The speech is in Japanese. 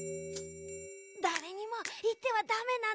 だれにもいってはダメなのだ。